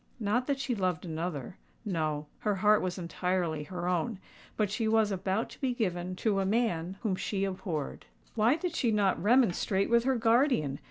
Not that she loved another: no—her heart was entirely her own;—but she was about to be given to a man whom she abhorred. "Why did she not remonstrate with her guardian?"